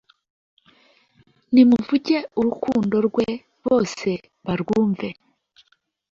Nimuvuge urukundo rwe bose barwumve